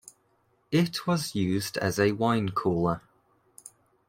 It was used as a wine cooler.